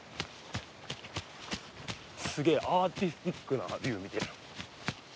すげえアーティスティックな竜みたいな。